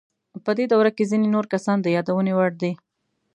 په دې دوره کې ځینې نور کسان د یادونې وړ دي.